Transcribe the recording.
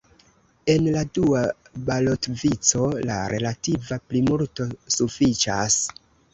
En la dua balotvico, la relativa plimulto sufiĉas.